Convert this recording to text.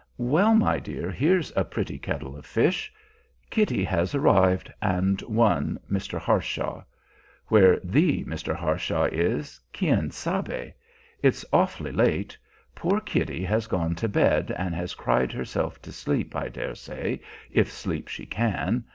Well, my dear, here's a pretty kettle of fish! Kitty has arrived, and one Mr. Harshaw. Where the Mr. Harshaw is, quien sabe! It's awfully late. Poor Kitty has gone to bed, and has cried herself to sleep, I dare say, if sleep she can.